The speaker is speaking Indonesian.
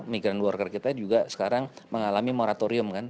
migran worker kita juga sekarang mengalami moratorium kan